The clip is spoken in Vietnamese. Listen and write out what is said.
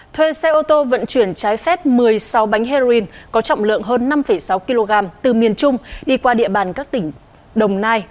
thuê xe ô tô vận chuyển trái phép một mươi sáu bánh heroin có trọng lượng hơn năm sáu kg từ miền trung đi qua địa bàn các tỉnh đồng nai